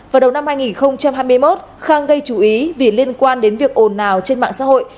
vào đầu năm hai nghìn hai mươi một khang gây chú ý vì liên quan đến việc ồn ào trên mạng xã hội